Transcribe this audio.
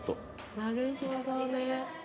なるほどね。